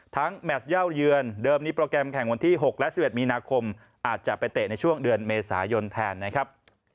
แมทเย่าเยือนเดิมนี้โปรแกรมแข่งวันที่๖และ๑๑มีนาคมอาจจะไปเตะในช่วงเดือนเมษายนแทนนะครับ